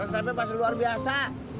masaknya pasti luar biasa